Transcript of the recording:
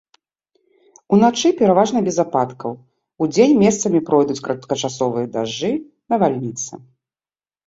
Уначы пераважна без ападкаў, удзень месцамі пройдуць кароткачасовыя дажджы, навальніцы.